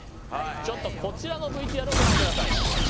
ちょっとこちらのＶＴＲをご覧ください。